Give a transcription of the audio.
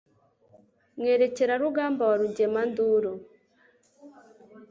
Mwerekerarugamba wa Rugemanduru